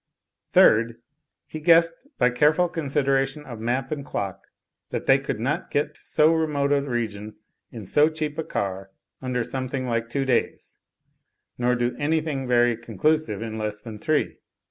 Third, he guessed, by careful consideration of map and clock, that they could not get to so remote a region in so cheap a car under something like two days, nor do an3rthing very conclusive in less than three.